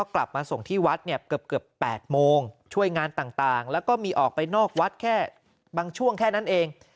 กลับมาส่งที่วัดเนี่ยเกือบ๘โมงช่วยงานต่างแล้วก็มีออกไปนอกวัดแค่บางช่วงแค่นั้นเอง